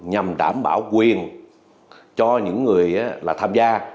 nhằm đảm bảo quyền cho những người tham gia